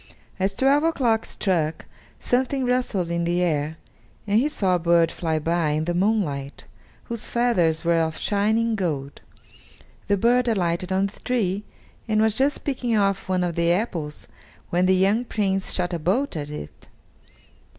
As twelve o'clock struck, something rustled in the air, and he saw a bird fly by in the moonlight, whose feathers were of shining gold. The bird alighted on the tree and was just picking off one of the apples when the young Prince shot a bolt at it.